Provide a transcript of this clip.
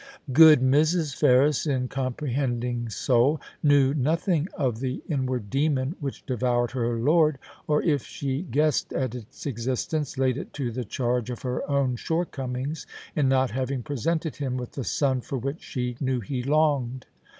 THE FERRIS MAnAGE, 95 Good Mrs. Ferris, incomprehending soul, knew nothing of the inward demon which devoured her lord, or if she guessed at its existence, laid it to the charge of her own shortcomings in not having presented him with the son for which she knew he longed.